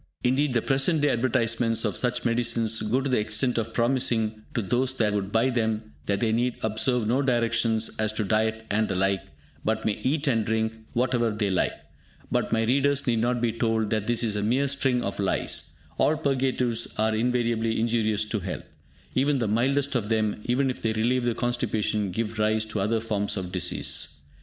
Indeed the present day advertisments of such medicines go to the extent of promising to those that would buy them that they need observe no directions as to diet and the like, but may eat and drink whatever they like. But my readers need not be told that this is a mere string of lies. All purgatives are invariably injurious to health. Even the mildest of them, even if they relieve the constipation, give rise to other forms of disease.